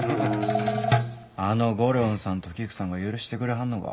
あのご寮人さんと菊さんが許してくれはんのか？